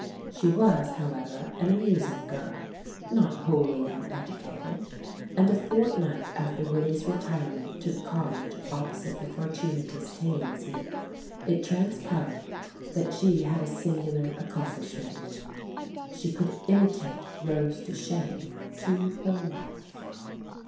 She was, however, an amusing girl, not wholly uneducated ; and a fortnight after Willy's retire ment to the cottage opposite the Fortunatus tail ings heap, it transpired that she had a singular accompHshment: she could imitate Rose Duchene to the life.